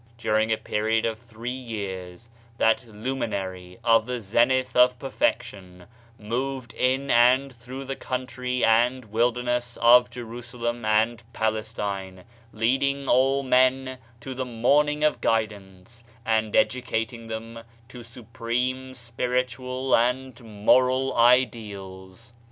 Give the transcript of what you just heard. During a period of three years, that Luminary of the Zenith of perfection moved in and through the country and wilderness of Jeru salem and Palestine, leading all men to the Morn ing of Guidance and educating them to supreme spiritual and moral ideals.